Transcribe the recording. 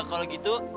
kalau gitu aku ambil